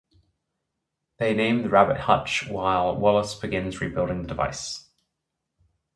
They name the rabbit Hutch while Wallace begins rebuilding the device.